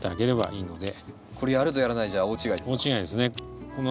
これやるとやらないじゃ大違いですか？